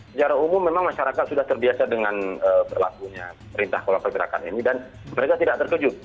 secara umum memang masyarakat sudah terbiasa dengan berlakunya perintah kolam pergerakan ini dan mereka tidak terkejut